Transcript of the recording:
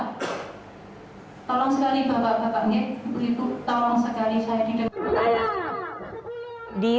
tolong sekali bapak bapaknya tolong sekali saya di depan